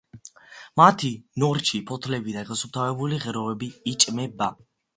მათი ნორჩი ფოთლები და გასუფთავებული ღეროები იჭმება.